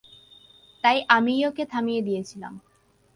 তাই আমিই ওকে থামিয়ে দিয়েছিলাম।